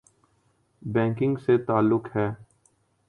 Banking سے تعلق ہے۔